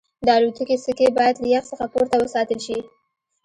د الوتکې سکي باید له یخ څخه پورته وساتل شي